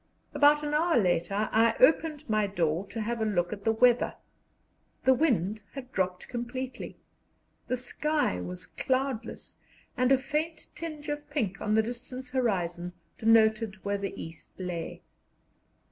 About an hour later I opened my door to have a look at the weather: the wind had dropped completely, the sky was cloudless, and a faint tinge of pink on the distant horizon denoted where the east lay.